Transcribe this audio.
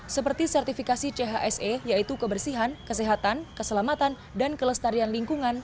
seperti sertifikasi chse yaitu kebersihan kesehatan keselamatan dan kelestarian lingkungan